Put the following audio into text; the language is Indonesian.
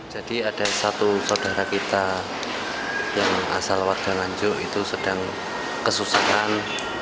jadi ada satu saudara kita yang asal warga nganjuk itu sedang kesusahan